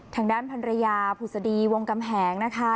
ทางด้านพันรยาผุศดีวงกำแหงนะคะ